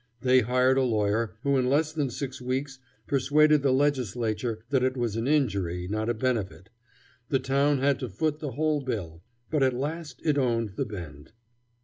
They hired a lawyer who in less than six weeks persuaded the Legislature that it was an injury, not a benefit. The town had to foot the whole bill. But at last it owned the Bend.